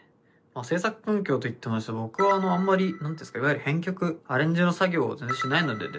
制作環境といっても僕はあんまり何て言うんですかいわゆる編曲アレンジの作業を全然しないのでですね